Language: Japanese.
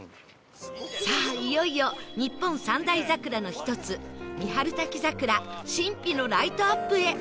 さあいよいよ日本三大桜の一つ三春滝桜神秘のライトアップへ